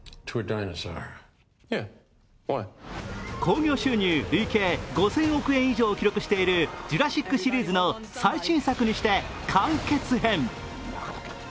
興行収入累計５０００億円以上を記録している「ジュラシック」シリーズの最新作にして完結編。